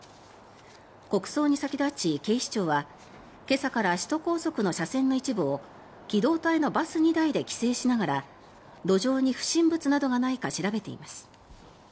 国葬に先立ち、警視庁は今朝から首都高速の車線の一部を機動隊のバス２台で規制しながら路上に不審物などがないか調べています。